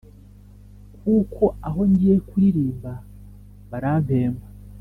kuko aho ngiye kuririmba barampemba.